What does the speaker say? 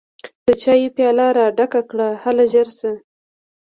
د چايو پياله راډکه کړه هله ژر شه!